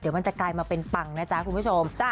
เดี๋ยวมันจะกลายมาเป็นปังนะจ๊ะคุณผู้ชม